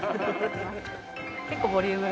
結構ボリュームが。